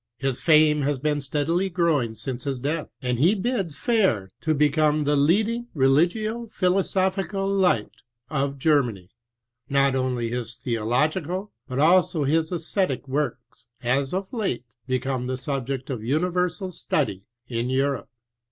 His fame has oeen steadily growing since his death, and he bids fair to bMome the leading relifl^o philosophi cal light of Germany, ^t on^ his theologi cal, but also his aesthetic wor&s have of late become the subject of imiversal study in Europe.